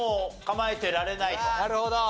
なるほど。